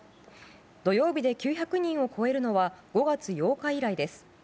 土曜日で９００人を超えるのは５月８日以来です。